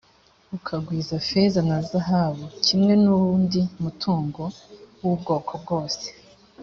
ukagwiza feza na zahabu, kimwe n’undi mutungo w’ubwoko bwose,